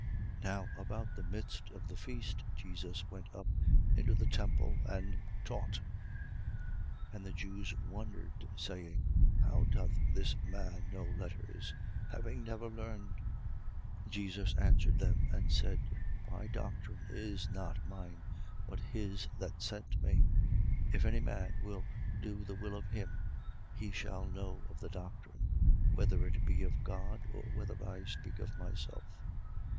7:14. Now, about the midst of the feast, Jesus went up into the temple and taught. 7:15. And the Jews wondered, saying: How doth this man know letters, having never learned? 7:16. Jesus answered them and said: My doctrine is not mine, but his that sent me. 7:17. If any man will do the will of him, he shall know of the doctrine, whether it be of God, or whether I speak of myself.